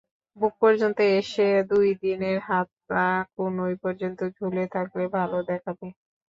বুক পর্যন্ত এসে, দুই দিকের হাতা কনুই পর্যন্ত ঝুলে থাকলে ভালো দেখাবে।